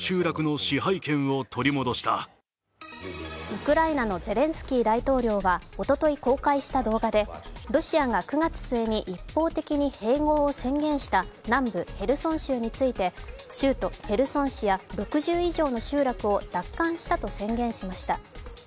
ウクライナのゼレンスキー大統領はおととい公開した動画でロシアが９月末に一方的に併合を宣言した南部ヘルソン州について州都ヘルソン市や６０以上の集落を奪還したと宣言しました。